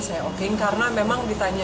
saya oke karena memang ditanya